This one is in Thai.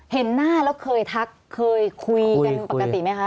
เห็นหน้าแล้วเคยทักเคยคุยกันปกติไหมคะ